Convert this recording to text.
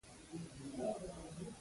زه د تاریخ په اړه خبرې اورم.